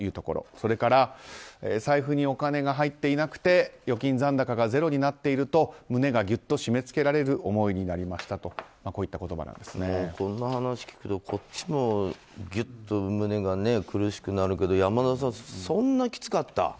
それから財布にお金が入っていなくて預金残高がゼロになっていると胸がギュッと締め付けられる思いになりましたとこの話を聞くとこっちもギュっと胸が苦しくなるけど、山田さんそんなきつかった？